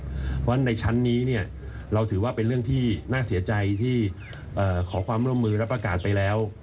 เพราะฉะนั้นในชั้นนี้เราถือว่าเป็นเรื่องที่น่าเสียใจที่ขอความร่วมมือและประกาศไปแล้ว